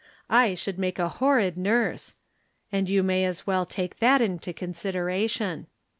I should make a horrid nurse, and you may as well take that into consideration.